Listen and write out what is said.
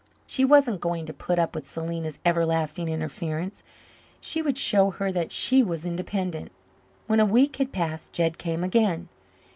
She wasn't going to put up with Selena's everlasting interference. She would show her that she was independent. When a week had passed Jed came again.